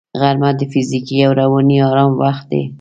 غرمه د فزیکي او رواني آرام وخت دی